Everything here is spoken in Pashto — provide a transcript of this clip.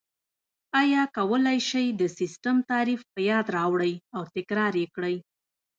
ایا کولای شئ د سیسټم تعریف په یاد راوړئ او تکرار یې کړئ؟